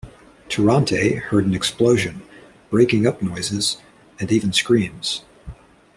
"Tirante" heard an explosion, "breaking-up noises," and even screams.